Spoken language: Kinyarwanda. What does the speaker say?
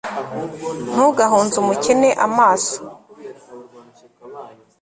ntugahunze umukene amaso